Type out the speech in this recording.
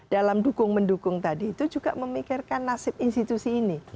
dalam dukung mendukung tadi itu juga memikirkan nasib institusi ini